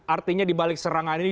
artinya di balik serangan ini